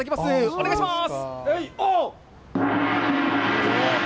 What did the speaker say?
お願いします。